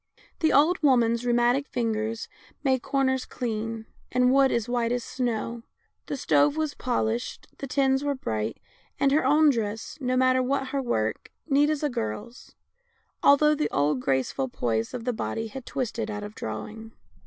The old woman's rheumatic fingers made corners clean, and wood as white as snow, the stove was polished, the tins were bright, and her own dress, no matter what her work, neat as a girl's, although the old graceful poise of the body had twisted out of drawing.